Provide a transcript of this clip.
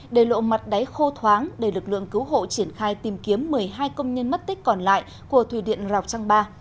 đề lộ mặt đáy khô thoáng để lực lượng cứu hộ triển khai tìm kiếm một mươi hai công nhân mất tích còn lại của thủy điện rào trăng ba